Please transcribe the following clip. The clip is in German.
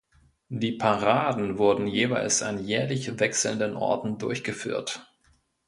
Die Paraden wurden jeweils an jährlich wechselnden Orten durchgeführt.